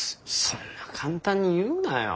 そんな簡単に言うなよ。